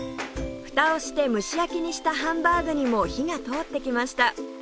蓋をして蒸し焼きにしたハンバーグにも火が通ってきました